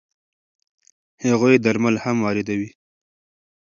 هغوی درمل هم واردوي.